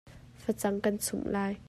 Facang kan chumh lai.